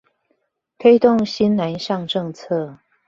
推動新南向政策